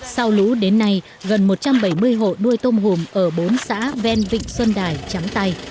sau lũ đến nay gần một trăm bảy mươi hộ nuôi tôm hùm ở bốn xã ven vịnh xuân đài trắng tay